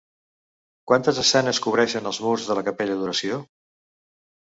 Quantes escenes cobreixen els murs de la capella d'oració?